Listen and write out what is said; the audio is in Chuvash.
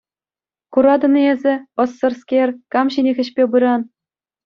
Куратӑн-и эсӗ, ӑссӑрскер, кам ҫине хӗҫпе пыран?